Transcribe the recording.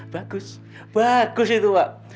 bagus bagus itu pak